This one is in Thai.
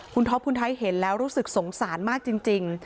คุณท็อปคุณไทยเห็นแล้วรู้สึกสงสารมากจริง